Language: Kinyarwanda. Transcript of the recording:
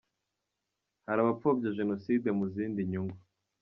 Hari abapfobya Jenoside mu zindi nyungu.